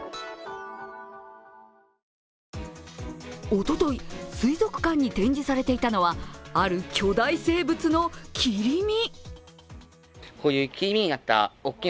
おととい、水族館に展示されていたのは、ある巨大生物の切り身。